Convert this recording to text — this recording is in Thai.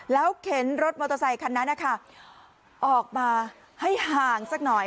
แล้วเข็นรถมอเตอร์ไซคันนั้นนะคะออกมาให้ห่างสักหน่อย